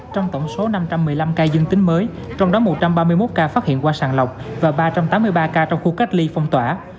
trong tổng số năm trăm một mươi năm ca dương tính mới trong đó một trăm ba mươi một ca phát hiện qua sàng lọc và ba trăm tám mươi ba ca trong khu cách ly phong tỏa